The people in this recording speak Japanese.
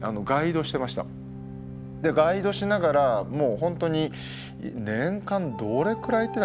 ガイドしながらもう本当に年間どれくらい行ってたかな？